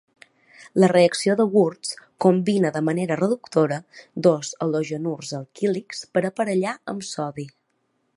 La reacció de Wurtz combina de manera reductora dos halogenurs alquílics per aparellar amb sodi.